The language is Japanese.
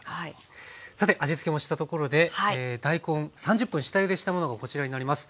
さて味つけもしたところで大根３０分下ゆでしたものがこちらになります。